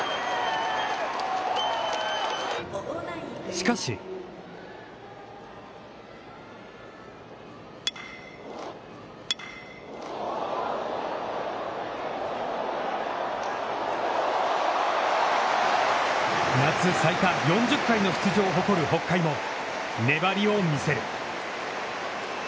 しかし。夏最多、４０回の出場を誇る北海も粘りを見せる。